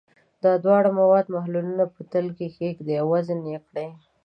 د دواړو موادو محلولونه په تلې کې کیږدئ او وزن یې کړئ.